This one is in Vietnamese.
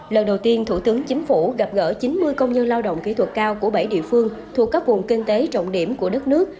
lần đầu tiên thủ tướng chính phủ gặp gỡ chín mươi công nhân lao động kỹ thuật cao của bảy địa phương thuộc các vùng kinh tế trọng điểm của đất nước